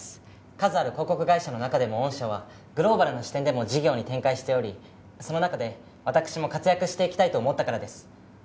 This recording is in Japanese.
数ある広告会社の中でも御社はグローバルな視点でも事業に展開しておりその中で私も活躍していきたいと思ったからです。